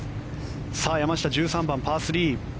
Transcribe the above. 山下、１３番、パー３。